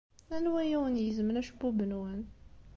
Anwa ay awen-igezmen acebbub-nwen?